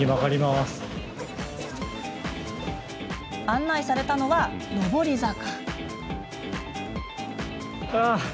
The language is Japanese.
案内されたのは、上り坂。